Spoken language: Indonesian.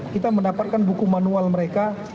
kita mendapatkan buku manual mereka